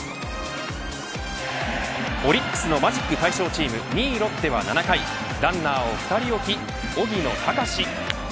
オリックスのマジック解消チーム、ロッテは７回ランナーを２人置き荻野貴司。